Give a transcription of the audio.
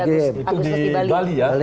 agustus di bali ya